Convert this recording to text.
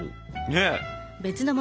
ねえ。